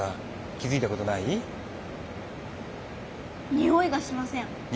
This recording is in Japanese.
においがしません。